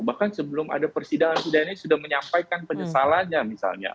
bahkan sebelum ada persidangan sudah menyampaikan penyesalannya misalnya